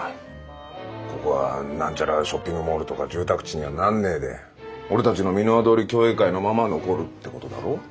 ここが何ちゃらショッピングモールとか住宅地にはなんねえで俺たちの「ミノワ通り共栄会」のまま残るってことだろ？